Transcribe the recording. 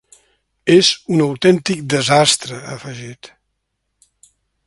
És un autèntic desastre, ha afegit.